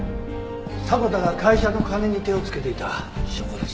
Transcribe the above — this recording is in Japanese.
迫田が会社の金に手をつけていた証拠です。